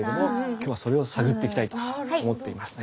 今日はそれを探っていきたいと思っていますね。